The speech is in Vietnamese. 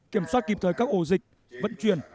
kiểm soát kịp thời các ổ dịch vận chuyển